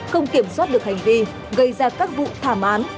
không kiểm soát được hành vi gây ra các vụ thảm án